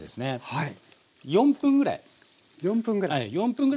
はい。